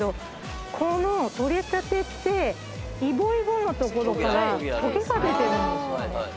この取れたてっていぼいぼのところからとげが出てるんですよ。